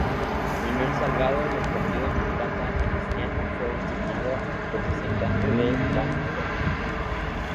Manuel Salgado, del Partido Demócrata Cristiano fue designado representante de la Asamblea.